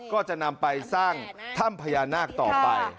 ก็จะนำไปสร้างถ้ำพญานาคต่อไป